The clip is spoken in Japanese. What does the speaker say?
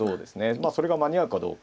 まあそれが間に合うかどうか。